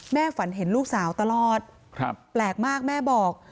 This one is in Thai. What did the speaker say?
ฝันเห็นลูกสาวตลอดแปลกมากแม่บอก